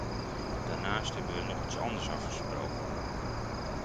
Daarnaast hebben we nog iets anders afgresproken.